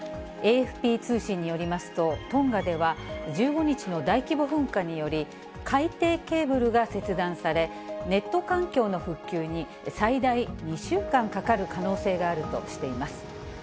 ＡＦＰ通信によりますと、トンガでは、１５日の大規模噴火により、海底ケーブルが切断され、ネット環境の復旧に最大２週間かかる可能性があるとしています。